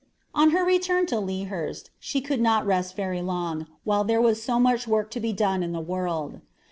On her return to Lea Hurst, she could not rest very long, while there was so much work to be done in the world.